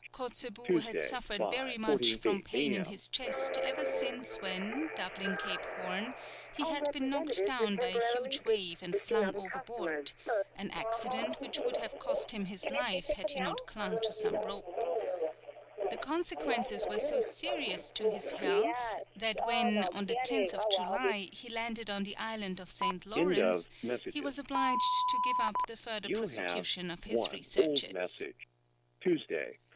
Kotzebue had suffered very much from pain in his chest ever since when, doubling Cape Horn, he had been knocked down by a huge wave and flung overboard, an accident which would have cost him his life had he not clung to some rope. The consequences were so serious to his health that when, on the 10th July, he landed on the island of St. Lawrence, he was obliged to give up the further prosecution of his researches.